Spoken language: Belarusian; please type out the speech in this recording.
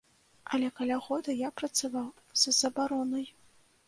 Але каля года я працаваў з забаронай.